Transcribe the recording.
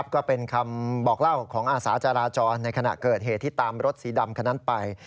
ก็เป็นคำบอกเล่าของอาสาจราจรในขณะเกิดเหตุที่ตามรถสีดำคันนั้นไป